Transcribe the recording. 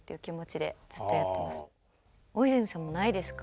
大泉さんもないですか？